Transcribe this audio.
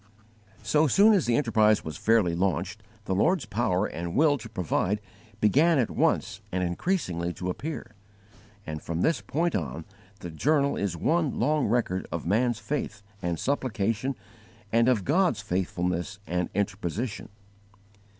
So soon as the enterprise was fairly launched, the Lord's power and will to provide began at once and increasingly to appear; and, from this point on, the journal is one long record of man's faith and supplication and of God's faithfulness and interposition.